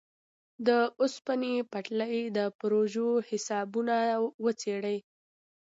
د اوسپنې پټلۍ د پروژو حسابونه وڅېړي.